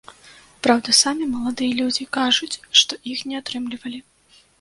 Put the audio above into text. Праўда, самі маладыя людзі кажуць, што іх не атрымлівалі.